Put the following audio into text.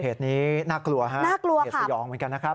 เหตุนี้น่ากลัวเหตุสยองเหมือนกัน